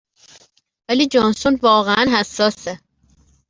ولی جانسون واقعا حساسه